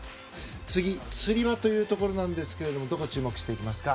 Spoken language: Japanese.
次つり輪というところなんですがどこに注目していきますか。